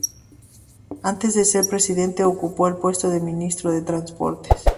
Antes de ser presidente ocupó el puesto de Ministro de Transportes.